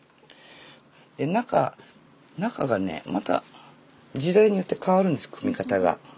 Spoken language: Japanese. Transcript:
で中がねまた時代によって変わるんです組み方が。